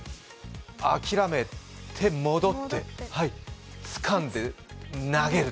あきらめて、戻って、つかんで投げる。